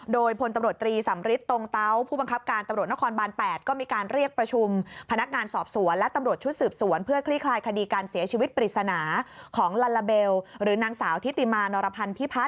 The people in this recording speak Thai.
โดยผลตำรวจตรีสำริตตรงเตาผู้บังคับการตำรวจนครบาน๘